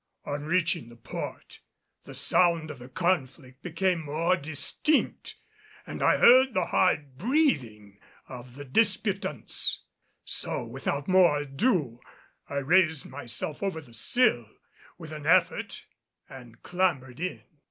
On reaching the port the sound of the conflict became more distinct and I heard the hard breathing of the disputants; so without more ado, I raised myself over the sill with an effort and clambered in.